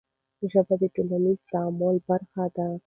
ژبه د ټولنیز تعامل برخه ده.